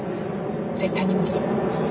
絶対に無理。